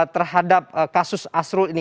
terhadap kasus asrul ini